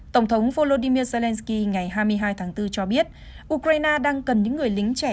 tổng thống volodymyr zelensky ngày hai mươi hai tháng bốn cho biết ukraine đang cần những người lính trẻ